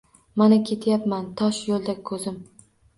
Mana, ketayapman tosh yo’lda ko’zim